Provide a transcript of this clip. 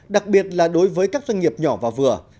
đặc biệt là đối với các doanh nghiệp nhỏ và vừa